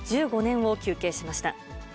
１５年を求刑しました。